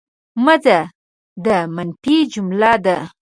مه ځه! دا منفي جمله ده.